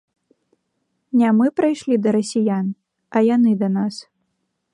Не мы прыйшлі да расіян, а яны да нас.